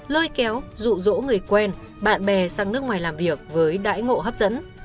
lơi kéo rụ rỗ người quen bạn bè sang nước ngoài làm việc với đại ngộ hấp dẫn